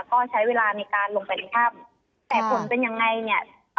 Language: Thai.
ก็ใช้เวลาในการลงไปในถ้ำแต่ผลเป็นยังไงเนี่ย